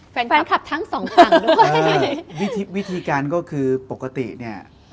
แฟนคลับทั้งสองทางด้วยวิธีการก็คือปกติ